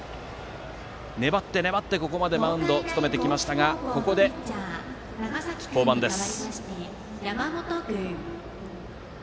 粘って、粘ってここまでマウンドを務めてきましたがここで降板です。